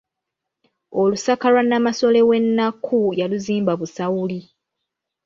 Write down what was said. Olusaka lwa Nnamasole we Nnakku yaluzimba Busawuli.